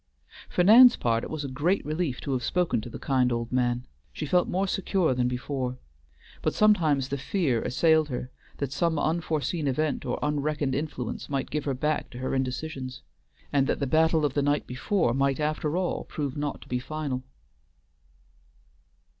For Nan's part it was a great relief to have spoken to the kind old man; she felt more secure than before; but sometimes the fear assailed her that some unforeseen event or unreckoned influence might give her back to her indecisions, and that the battle of the night before might after all prove not to be final.